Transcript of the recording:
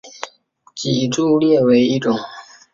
脊柱裂为一种。